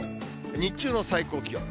日中の最高気温。